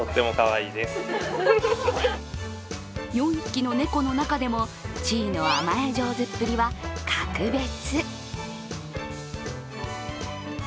４匹の猫の中でもチーの甘え上手っぷりは格別。